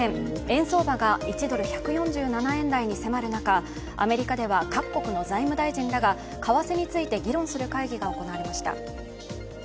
円相場が１ドル＝１４７円台に迫る中、アメリカでは各国の財務大臣らが為替について議論する会議が行われました。